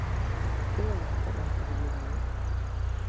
Que é a interrompibilidade?